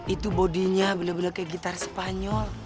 itu bodinya bener bener kayak gitar spanyol